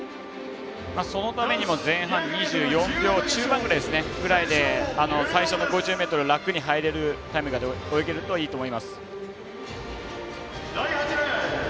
そのためにも前半２４秒中盤ぐらいで最初の５０ｍ楽に入れるタイムで泳げるといいと思います。